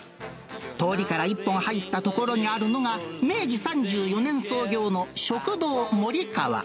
通りから一本入った所にあるのが、明治３４年創業の食堂もり川。